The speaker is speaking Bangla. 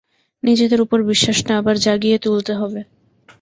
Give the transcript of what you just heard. নিজেদের উপর বিশ্বাসটা আবার জাগিয়ে তুলতে হবে।